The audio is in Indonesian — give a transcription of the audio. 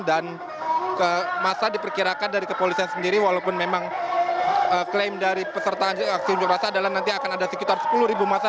dan masa diperkirakan dari kepolisian sendiri walaupun memang klaim dari pesertaan aksi unjuk rasa adalah nanti akan ada sekitar sepuluh ribu masa